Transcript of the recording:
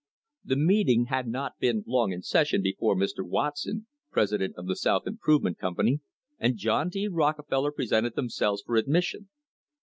The meeting had not been long in session before Mr. Watson, president of the South Improve ment Company, and John D. Rockefeller presented them selves for admission.